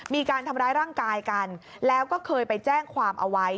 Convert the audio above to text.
มีการทำร้ายร่างกายกันแล้วก็เคยไปแจ้งความเอาไว้